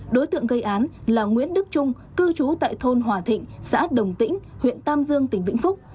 đối tượng gây án là nguyễn đức trung cư trú tại thôn hòa thịnh xã đồng tĩnh huyện tam dương tỉnh vĩnh phúc